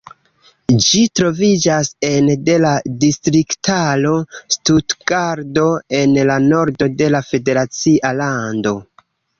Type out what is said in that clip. Ĝi troviĝas ene de la distriktaro Stutgarto, en la nordo de la federacia lando.